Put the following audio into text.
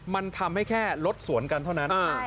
มันทำให้แค่รถสวนกันเท่านั้น